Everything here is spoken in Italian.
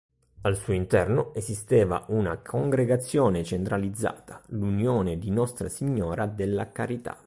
Al suo interno esisteva una congregazione centralizzata, l'Unione di Nostra Signora della Carità.